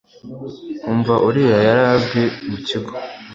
umva uriya yarazwi mukigo